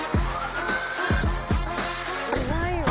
うまいわ。